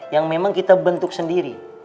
yang memang kita bentuk sendiri